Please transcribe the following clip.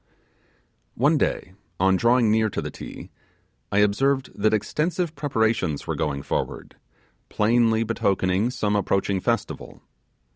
One day, on drawing near to the Ti, I observed that extensive preparations were going forward, plainly betokening some approaching festival.